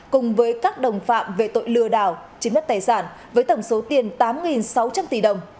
cùng với các đồng phạm về tội lừa đảo chiếm đất tài sản với tổng số tiền tám sáu trăm linh tỷ đồng